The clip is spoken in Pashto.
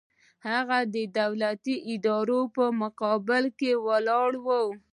هغه د دولتي ادارو په مقابل کې ولاړ و.